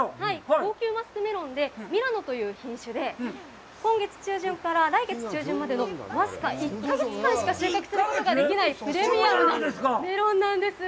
高級マスクメロンでミラノという品種で、今月中旬から来月中旬までの僅か１か月間しか収穫することができないプレミアムなメロンなんです。